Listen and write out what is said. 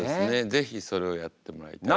是非それをやってもらいたいと思います。